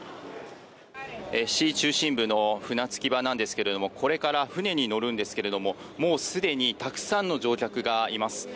市中心部の船着き場なんですけどこれから船に乗るんですけれどももう、すでにたくさんの乗客がいます。